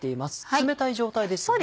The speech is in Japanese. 冷たい状態ですよね。